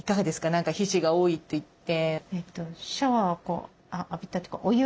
何か皮脂が多いといって。